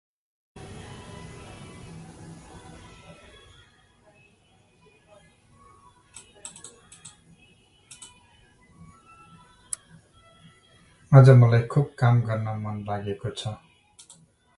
अाज मलाई खुब काम गर्न मन लागेको छ ।